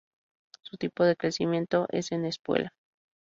Su tipo de crecimiento es en "espuela".